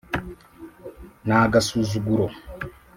N,agasuzuguro